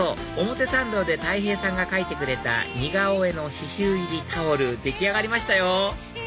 表参道でたい平さんが描いてくれた似顔絵の刺しゅう入りタオル出来上がりましたよ